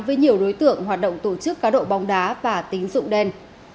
với nhiều đối tượng hoạt động tổ chức cá độ bóng đá và tính dụng đen